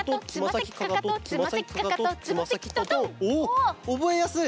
おぼえやすい！